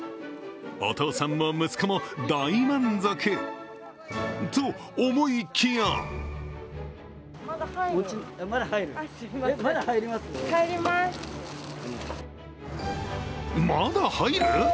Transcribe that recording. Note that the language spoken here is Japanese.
お父さんも息子も大満足。と思いきやまだ入る！？